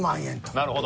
なるほど。